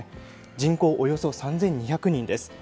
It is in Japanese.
人口およそ３２００人です。